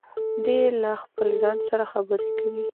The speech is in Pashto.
دی له خپل ځان سره خبرې کوي.